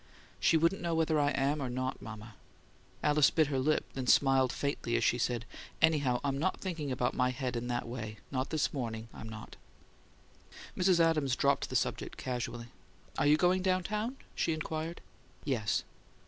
"She wouldn't know whether I am or not, mama." Alice bit her lip, then smiled faintly as she said: "Anyhow, I'm not thinking about my head in that way not this morning, I'm not." Mrs. Adams dropped the subject casually. "Are you going down town?" she inquired. "Yes."